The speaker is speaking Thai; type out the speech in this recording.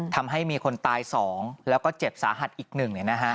ทำให้มีคนตาย๒แล้วก็เจ็บสาหัสอีก๑